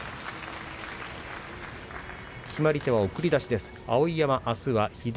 決まり手は送り出しです。